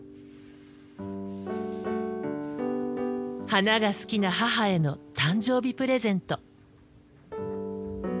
花が好きな母への誕生日プレゼント。